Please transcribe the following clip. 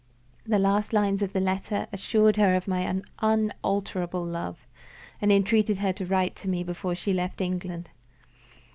The last lines of the letter assured her of my unalterable love, and entreated her to write to me before she left England.